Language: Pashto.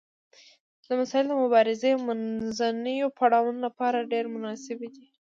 دا مسایل د مبارزې د منځنیو پړاوونو لپاره ډیر مناسب دي.